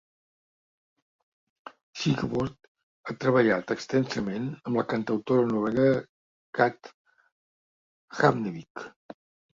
Sigsworth ha treballat extensament amb la cantautora noruega Kate Havnevik.